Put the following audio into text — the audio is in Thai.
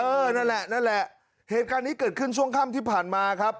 นั่นแหละนั่นแหละเหตุการณ์นี้เกิดขึ้นช่วงค่ำที่ผ่านมาครับ